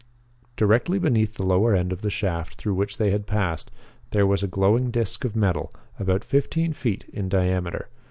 Directly beneath the lower end of the shaft through which they had passed, there was a glowing disc of metal about fifteen feet in diameter.